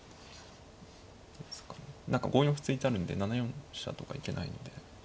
何か５四歩突いてあるんで７四飛車とか行けないので。